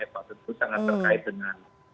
itu sangat terkait dengan